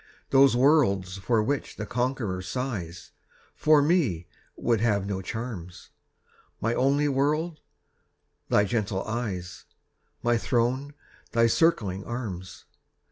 Those worlds for which the conqueror sighs For me would have no charms; My only world thy gentle eyes My throne thy circling arms!